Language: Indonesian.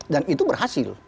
dan itu berhasil